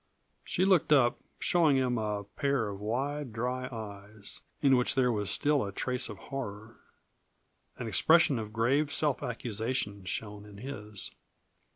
She looked up, showing him a pair of wide, dry eyes, in which there was still a trace of horror. An expression of grave self accusation shone in his.